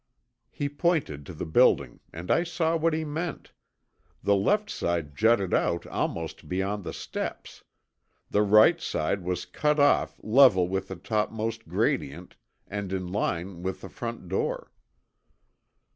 He pointed to the building and I saw what he meant. The left side jutted out almost beyond the steps. The right side was cut off level with the topmost gradient and in line with the front door.